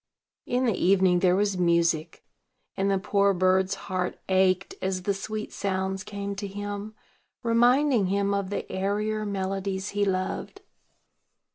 In the evening there was music; and the poor bird's heart ached as the sweet sounds came to him, reminding him of the airier melodies he loved.